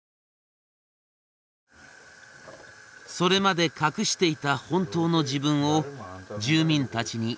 それまで隠していた本当の自分を住民たちにカミングアウト。